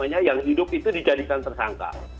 yang hidup itu dijadikan tersangka